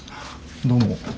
どうも。